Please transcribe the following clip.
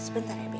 sebentar ya bi